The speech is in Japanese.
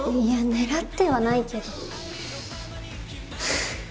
いや狙ってはないけど。